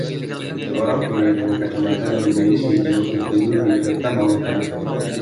Seorang pria dengan kacamata dan beanie hijau tertidur di kereta bawah tanah.